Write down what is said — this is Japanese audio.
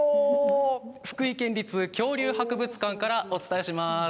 福井県立恐竜博物館からお伝えします。